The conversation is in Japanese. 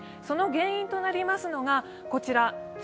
その原因となりますのが、こちら。